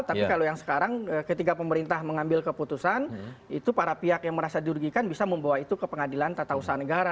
tapi kalau yang sekarang ketika pemerintah mengambil keputusan itu para pihak yang merasa dirugikan bisa membawa itu ke pengadilan tata usaha negara